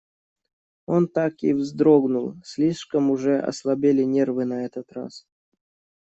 Он так и вздрогнул, слишком уже ослабели нервы на этот раз.